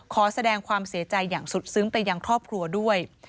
ขอแสดงความเสียใจอย่างสุดซึ้งไปยังครอบครัวด้วย